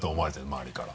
周りから。